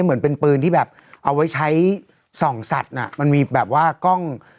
เหมือนเป็นปืนที่แบบเอาไว้ใช้ส่องสัตว์น่ะมันมีแบบว่ากล้อง